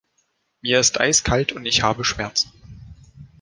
Mir ist eiskalt und ich habe Schmerzen.